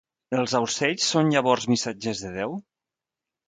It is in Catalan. Els aucells són llavors missatgers de Déu?